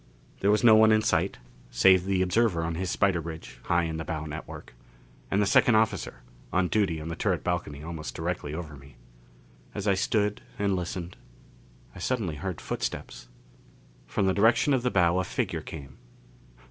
There was no one in sight save the observer on his spider bridge, high in the bow network, and the second officer, on duty on the turret balcony almost directly over me. As I stood and listened, I suddenly heard footsteps. From the direction of the bow a figure came.